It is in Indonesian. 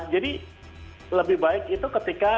jadi lebih baik itu ketika